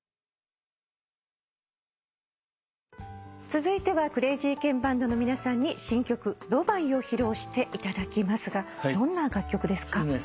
続いてはクレイジーケンバンドの皆さんに新曲『ドバイ』を披露していただきますがどんな楽曲ですか？